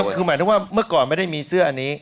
คือหมายถึงว่าเมื่อก่อนไม่ได้มีเสื้ออันนี้